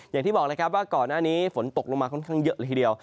อย่างที่บอกเลยครับว่าก่อนหน้านี้ฝนตกลงมาค่อนข้างเยอะเลยทีเดียว